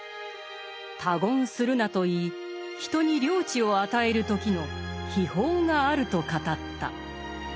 「他言するな」と言い人に領地を与える時の秘法があると語った。